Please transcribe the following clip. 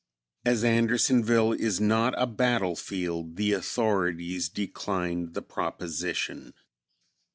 As Andersonville is not a battlefield, the authorities declined the proposition.